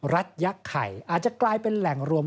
ยักษ์ไข่อาจจะกลายเป็นแหล่งรวม